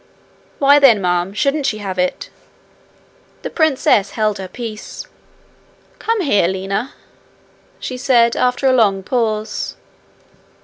'Why then, ma'am, shouldn't she have it?' The princess held her peace. 'Come here, Lina,' she said after a long pause.